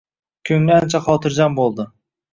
Ko`ngli ancha xotirjam bo`ldi